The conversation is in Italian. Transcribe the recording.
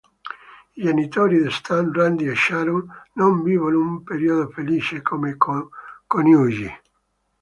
I genitori di Stan, Randy e Sharon, non vivono un periodo felice come coniugi.